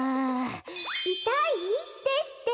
「いたい」ですって？